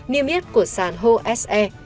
niêm yết của sàn hồ se